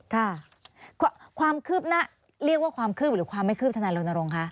ค่ะความคืบหน้าเรียกว่าความคืบหน้าหรือความไม่คืบทนายรณรงค์